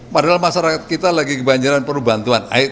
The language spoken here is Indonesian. padahal masyarakat kita lagi kebanjiran perlu bantuan